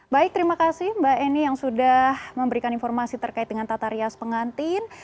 baik terima kasih mbak eni yang sudah memberikan informasi terkait dengan tata rias pengantin